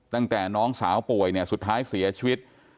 ตั้งแต่น้องสาวป่วยเนี่ยสุดท้ายเสียชีวิต